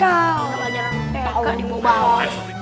pak u maaf